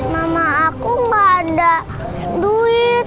mama aku nggak ada duit